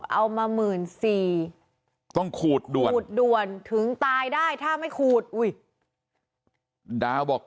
เอามา๑๐๐๐๐๔ต้องขูดด้วนถึงตายได้ถ้าไม่คูดอุ้ยดาบอก